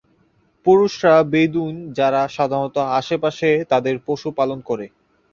পুরুষরা বেদুইন, যারা সাধারণত আশেপাশে তাদের পশু পালন করে।